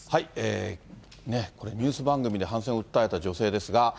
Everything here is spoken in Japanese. これ、ニュース番組で反戦を訴えた女性ですが。